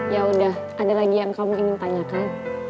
yaudah ada lagi yang kamu ingin tanyakan